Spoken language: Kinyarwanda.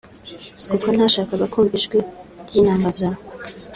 kuko ntashaka kumva ijwi ry’inanga zawe”